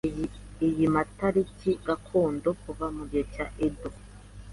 Iyi matariki gakondo kuva mugihe cya Edo.